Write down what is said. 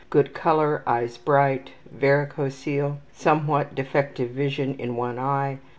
Good color. Eyes bright. Varicocele. Somewhat defective vision in one eye.